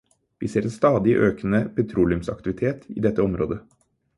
Vi ser en stadig økende petroleumsaktivitet i dette området.